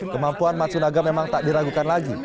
kemampuan matsunaga memang tak diragukan lagi